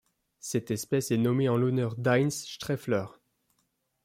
Cette espèce est nommée en l'honneur d'Heinz Streiffeler.